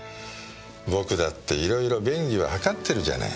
僕だっていろいろ便宜は図ってるじゃない。